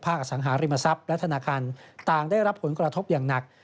อสังหาริมทรัพย์และธนาคารต่างได้รับผลกระทบอย่างหนัก